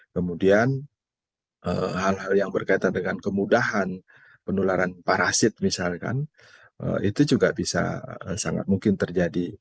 kemudian hal hal yang berkaitan dengan kemudahan penularan parasit misalkan itu juga bisa sangat mungkin terjadi